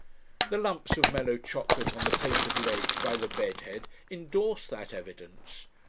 The lumps of mellow chocolate on the papered ledge by the bed head indorsed that evidence.